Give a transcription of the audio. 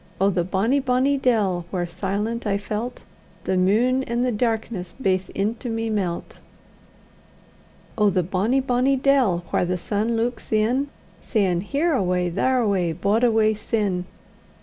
Oh! the bonny, bonny dell, whaur, silent, I felt The mune an' the darkness baith into me melt. Oh! the bonny, bonny dell, whaur the sun luiks in, Sayin', Here awa', there awa', baud awa', sin!